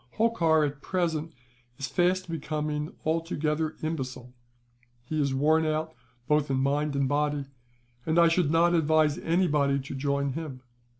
"Holkar, at present, is fast becoming altogether imbecile. He is worn out both in mind and body, and I should not advise anybody to join him.